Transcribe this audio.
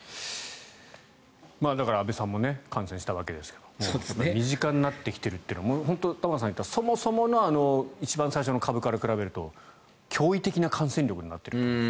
だから、安部さんも感染したわけですが身近になってきているって玉川さんが言ったそもそもの最初の株から比べると驚異的な感染力になると。